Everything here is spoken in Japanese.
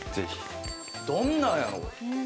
どんなんやろ。